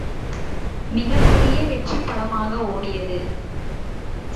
மிகப்பெரிய வெற்றிப்படமாக ஒடியது.